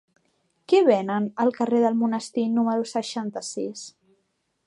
Què venen al carrer del Monestir número seixanta-sis?